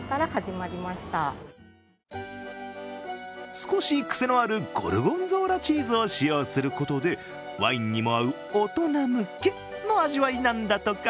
少し癖のあるゴルゴンゾーラチーズを使うことでワインにも合う大人向けの味わいなんだとか。